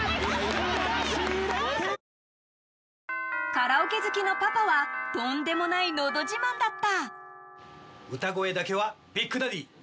カラオケ好きのパパはとんでもないのど自慢だった！